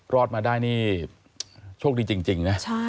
รอดมาได้นี่โชคดีจริงนะ